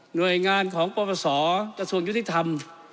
หน่วยงานของประวัติศาสตร์กระทรวงยุทธิธรรม